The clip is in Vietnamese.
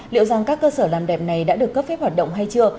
liệu rằng các cơ sở làm đẹp này đã được cấp phép hoạt động hay chưa